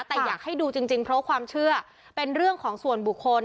แต่อยากให้ดูจริงเพราะความเชื่อเป็นเรื่องของส่วนบุคคล